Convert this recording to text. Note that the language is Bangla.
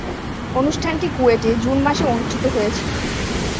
অনুষ্ঠানটি কুয়েটে জুন মাসে অনুষ্ঠিত হয়েছিলো।